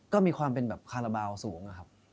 ก็มีความเป็นคาราบาลสูง